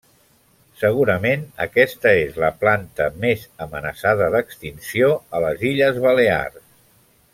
Segurament aquesta és la planta més amenaçada d'extinció a les Illes Balears.